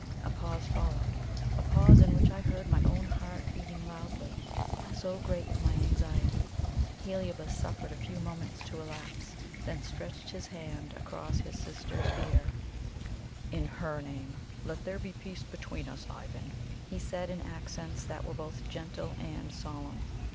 A pause followed a pause in which I heard my own heart beating loudly, so great was my anxiety. Heliobas suffered a few moments to elapse, then stretched his hand across his sister's bier. "In HER name, let there be peace between us, Ivan," he said in accents that were both gentle and solemn.